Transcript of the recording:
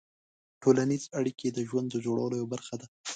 ټولنیز اړیکې د ژوند د جوړولو یوه برخه ده.